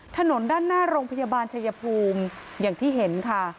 ถนนด้านหน้าโรงพยาบาลชายภูมิอย่างที่เห็นค่ะ